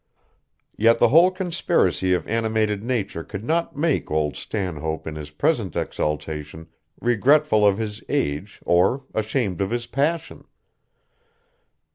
Yet the whole conspiracy of animated nature could not make old Stanhope in his present exaltation regretful of his age or ashamed of his passion.